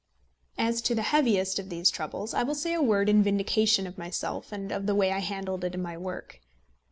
As to the heaviest of these troubles, I will say a word in vindication of myself and of the way I handled it in my work.